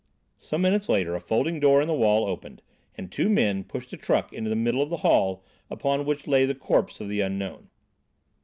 Some minutes later a folding door in the wall opened and two men pushed a truck into the middle of the hall upon which lay the corpse of the unknown.